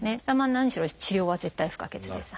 何しろ治療は絶対不可欠です。